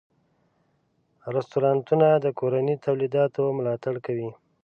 رستورانتونه د کورني تولیداتو ملاتړ کوي.